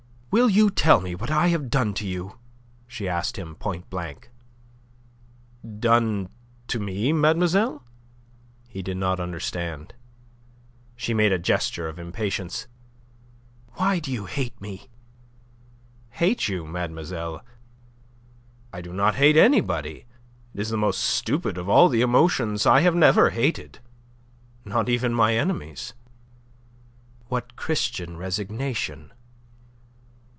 "Will you tell me what I have done to you?" she asked him, point blank. "Done to me, mademoiselle?" He did not understand. She made a gesture of impatience. "Why do you hate me?" "Hate you, mademoiselle? I do not hate anybody. It is the most stupid of all the emotions. I have never hated not even my enemies." "What Christian resignation!"